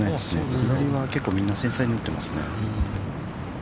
下りは、結構、みんな繊細に打ってますね。